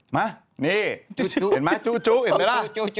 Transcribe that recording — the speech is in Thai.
มานี่เห็นไหมจู้เห็นไหมล่ะ